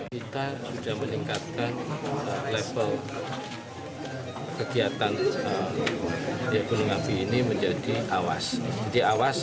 kita sudah meningkatkan level kegiatan gunung api ini menjadi awas